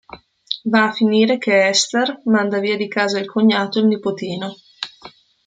Va a finire che Hester manda via da casa il cognato e il nipotino.